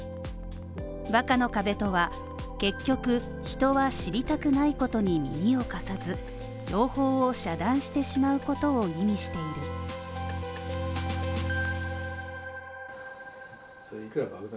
「バカの壁」とは結局人は知りたくないことに耳を貸さず、情報を遮断してしまうことを意味している